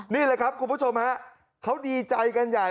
นี่แหละครับคุณผู้ชมฮะเขาดีใจกันใหญ่